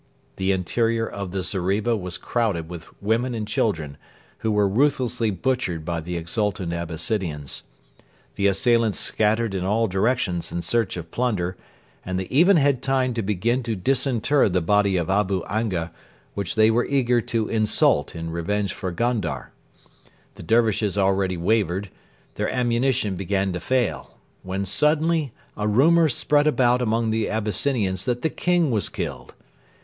The interior of the zeriba was crowded with women and children, who were ruthlessly butchered by the exultant Abyssinians. The assailants scattered in all directions in search of plunder, and they even had time to begin to disinter the body of Abu Anga, which they were eager to insult in revenge for Gondar. The Dervishes already wavered; their ammunition began to fail, when suddenly a rumour spread about among the Abyssinians that the King was killed.